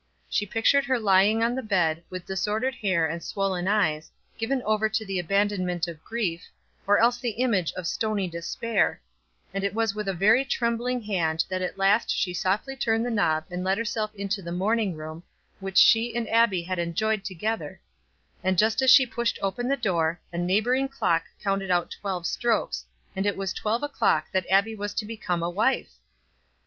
She pictured her lying on the bed, with disordered hair and swollen eyes, given over to the abandonment of grief, or else the image of stony despair; and it was with a very trembling hand that at last she softly turned the knob and let herself into the morning room, which she and Abbie had enjoyed together; and just as she pushed open the door, a neighboring clock counted out twelve strokes, and it was at twelve o'clock that Abbie was to become a wife!